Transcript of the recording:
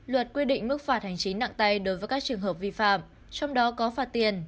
luật quy định mức phạt hành chính nặng tay đối với các trường hợp vi phạm trong đó có phạt tiền